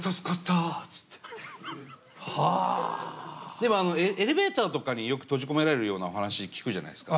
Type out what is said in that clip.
でもあのエレベーターとかによく閉じ込められるようなお話聞くじゃないですか。